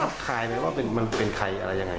คายไหมว่ามันเป็นใครอะไรยังไง